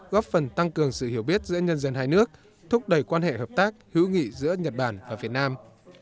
góp phần tăng cường sự hiểu biết giữa nhân dân hai nước thúc đẩy quan hệ hợp tác hữu nghị giữa nhật bản và việt nam